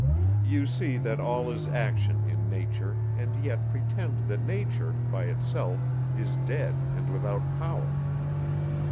You see, that all is action in nature, and yet pretend that nature, by itself, is dead and without power.